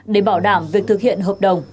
để bảo đảm việc thực hiện hợp đồng